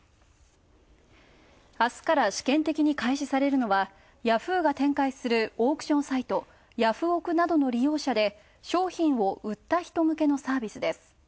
あすから試験的に開始されるのはヤフーが展開するオークションサイト、ヤフオク！などの利用者で商品を売った人向けのサービスです。